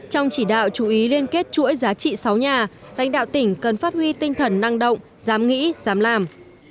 trong chỉ đạo chú ý liên kết chuỗi giá trị sáu nhà lãnh đạo tỉnh cần phát huy tinh thần năng động dám nghĩ dám làm